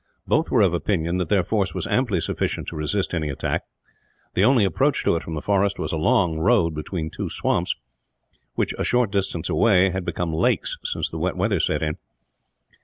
Both were of opinion that their force was amply sufficient to resist any attack. The only approach to it from the forest was a long road between two swamps which, a short distance away, had become lakes since the wet weather set in.